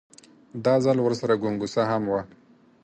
دا ځل ورسره ګونګسه هم وه.